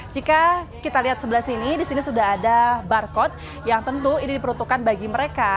jika kita lihat sebelah sini di sini sudah ada barcode yang tentu ini diperuntukkan bagi mereka